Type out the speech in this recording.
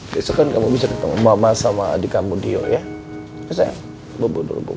besok kamu bisa ketemu mama sama adik kamu dio ya bisa bobo dulu bobo